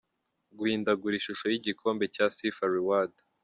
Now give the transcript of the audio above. Guhindagura ishusho y’igikombe cya ‘Sifa Reward’.